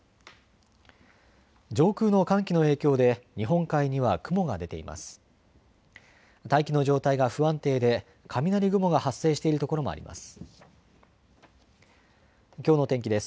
上空の寒気の影響で日本海には雲が出ています。